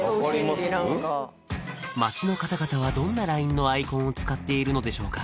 街の方々はどんなＬＩＮＥのアイコンを使っているのでしょうか？